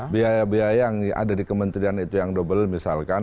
biaya biaya yang ada di kementerian itu yang double misalkan